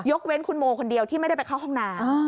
เว้นคุณโมคนเดียวที่ไม่ได้ไปเข้าห้องน้ำ